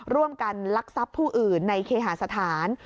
ร่วมกันลักษัพผู้อื่นในเคหาสถาน